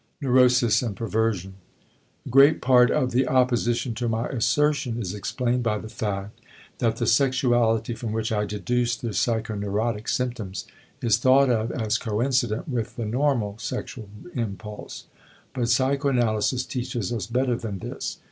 *Neurosis and Perversion.* A great part of the opposition to my assertion is explained by the fact that the sexuality from which I deduce the psychoneurotic symptoms is thought of as coincident with the normal sexual impulse. But psychoanalysis teaches us better than this.